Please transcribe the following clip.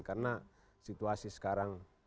karena situasi sekarang